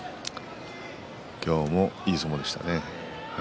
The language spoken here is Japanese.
今日もいい相撲でしたね。